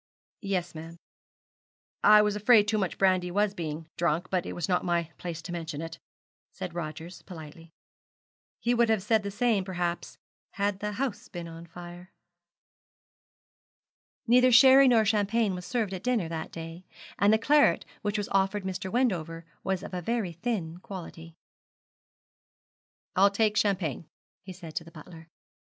'Yes, ma'am. I was afraid too much brandy was being drunk, but it was not my place to mention it,' said Rogers, politely. He would have said the same, perhaps, had the house been on fire. Neither sherry nor champagne was served at dinner that day, and the claret which was offered Mr. Wendover was of a very thin quality. 'I'll take champagne,' he said to the butler.